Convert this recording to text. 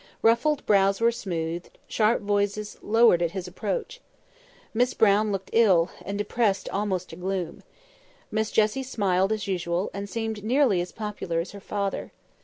Ruffled brows were smoothed, sharp voices lowered at his approach. Miss Brown looked ill, and depressed almost to gloom. Miss Jessie smiled as usual, and seemed nearly as popular as her father.